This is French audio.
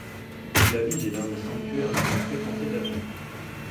La ville est l'un des sanctuaires les plus fréquentés d'Allemagne.